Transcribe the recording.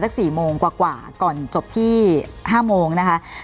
คุณผู้ชมคะ